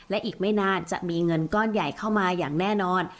และอีกไม่นานจะมีเงินก้อนใหญ่เข้ามาอย่างแน่นอน